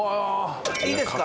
いいですか？